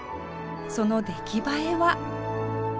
その出来栄えは